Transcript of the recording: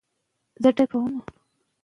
خلک باید رښتیا ووایي.